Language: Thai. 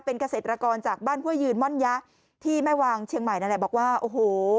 เป็นเกษตรกรจากบ้านห้วยยืนม่อนยะที่แม่วางเชียงใหม่นั่นแหละบอกว่าโอ้โห